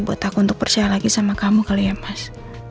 buat aku untuk percaya lagi sama kamu kali ya mas